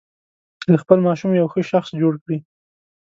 چې له خپل ماشوم یو ښه شخص جوړ کړي.